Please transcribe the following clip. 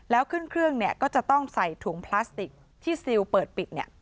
แล้วขึ้นเครื่องก็จะต้องใส่ถุงพลาสติกที่ซิลเปิดปิด